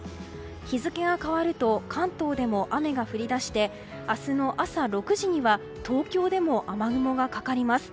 日付が変わると関東でも雨が降り出して明日の朝６時には東京でも雨雲がかかります。